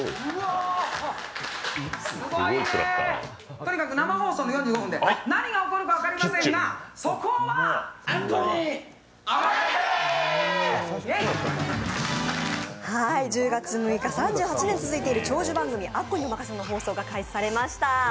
とにかく生放送の４５分で、何が起こるか分かりませんがそこは１０月６日に「アッコにおまかせ！」の放送が開始されました。